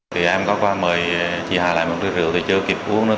thì em có qua mời chị hà lại một cái rượu thì chưa kịp uống nữa